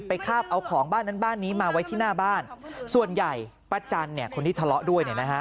คาบเอาของบ้านนั้นบ้านนี้มาไว้ที่หน้าบ้านส่วนใหญ่ป้าจันเนี่ยคนที่ทะเลาะด้วยเนี่ยนะฮะ